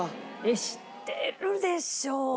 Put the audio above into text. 知ってるでしょ。